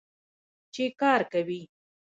چې کار کوي.